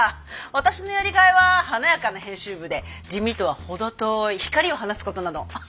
私のやりがいは華やかな編集部で地味とは程遠い光を放つことなの。